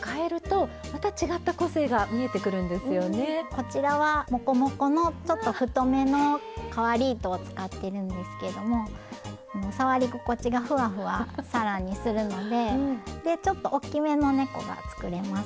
こちらはモコモコのちょっと太めの変わり糸を使ってるんですけども触り心地がふわふわ更にするのででちょっと大きめのねこが作れます。